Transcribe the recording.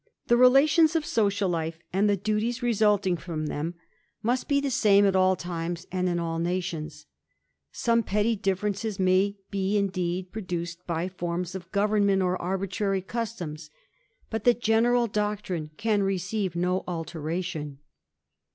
The relations of social life, and the duties resulting from them, must he V THE AD VENTURER. 235 the same at all times and in all nations : some petty <iifferences may be, indeed, produced, by forms of govern iBent or arbitrary customs \ but the general doctrine can I'cceive no alteration.